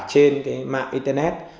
trên mạng internet